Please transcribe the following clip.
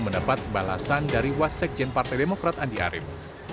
mendapat balasan dari wasekjen partai demokrat andi arief